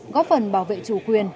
góp phần bảo vệ chủ quyền